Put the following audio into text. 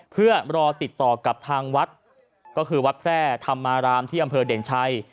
เพื่อรอติดต่อกับทางวัดก็คือวัดแพร่ธรรมารามที่อำเภอเด่นชัย